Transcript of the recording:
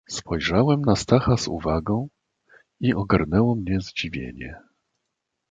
"Spojrzałem na Stacha z uwagą i ogarnęło mnie zdziwienie."